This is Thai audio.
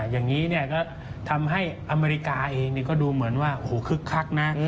อย่างนี้ก็ทำให้อเมริกาเองก็ดูเหมือนว่าคึกคักนะ